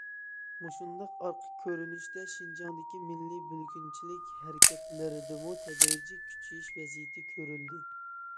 مۇشۇنداق ئارقا كۆرۈنۈشتە، شىنجاڭدىكى مىللىي بۆلگۈنچىلىك ھەرىكەتلىرىدىمۇ تەدرىجىي كۈچىيىش ۋەزىيىتى كۆرۈلدى.